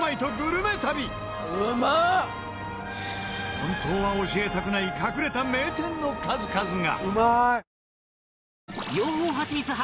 ホントは教えたくない隠れた名店の数々が！